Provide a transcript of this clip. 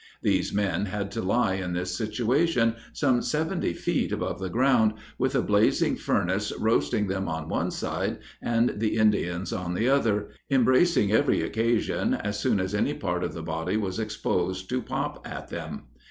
These men had to lie in this situation, some seventy feet above the ground, with a blazing furnace roasting them on one side, and the Indians on the other, embracing every occasion, as soon as any part of the body was exposed to pop at them.